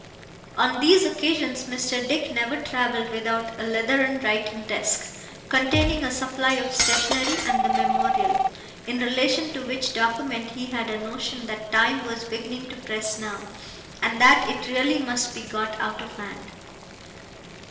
On these occasions Mr. Dick never travelled without a leathern writing desk, containing a supply of stationery and the Memorial; in relation to which document he had a notion that time was beginning to press now, and that it really must be got out of hand.